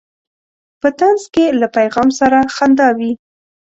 په طنز کې له پیغام سره خندا وي.